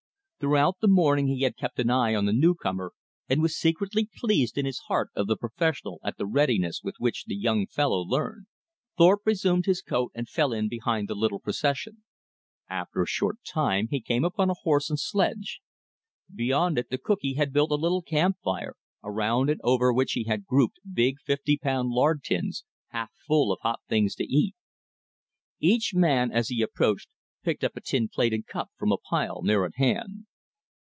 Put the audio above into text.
Throughout the morning he had kept an eye on the newcomer, and was secretly pleased in his heart of the professional at the readiness with which the young fellow learned. Thorpe resumed his coat, and fell in behind the little procession. After a short time he came upon a horse and sledge. Beyond it the cookee had built a little camp fire, around and over which he had grouped big fifty pound lard tins, half full of hot things to eat. Each man, as he approached, picked up a tin plate and cup from a pile near at hand.